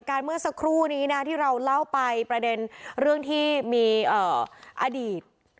เมื่อสักครู่นี้นะที่เราเล่าไปประเด็นเรื่องที่มีอดีต